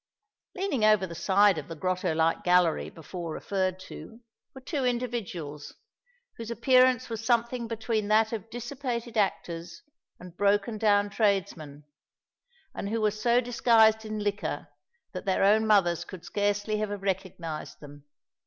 Leaning over the side of the grotto like gallery before referred to, were two individuals, whose appearance was something between that of dissipated actors and broken down tradesmen; and who were so disguised in liquor that their own mothers could scarcely have recognised them.